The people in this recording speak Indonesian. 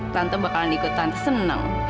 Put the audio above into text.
tante bakalan ikut tante senang